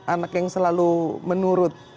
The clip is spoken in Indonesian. anak yang selalu menurut